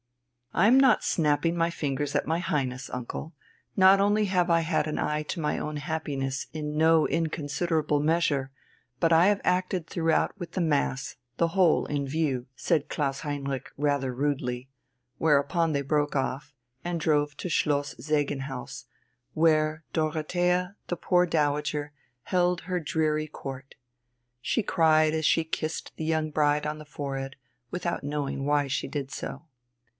"I am not snapping my fingers at my Highness, uncle; not only have I had an eye to my own happiness in no inconsiderable measure, but I have acted throughout with the Mass, the Whole, in view," said Klaus Heinrich rather rudely; whereupon they broke off, and drove to Schloss "Segenhaus," where Dorothea, the poor Dowager, held her dreary Court. She cried as she kissed the young bride on the forehead, without knowing why she did so.